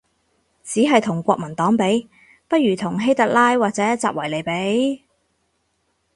只係同國民黨比？，不如同希特拉或者習維尼比